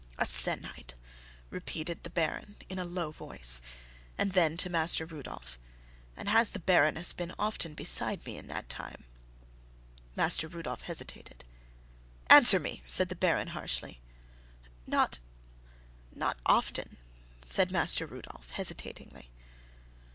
"A sennight," repeated the Baron, in a low voice, and then to Master Rudolph, "And has the Baroness been often beside me in that time?" Master Rudolph hesitated. "Answer me," said the Baron, harshly. "Not not often," said Master Rudolph, hesitatingly.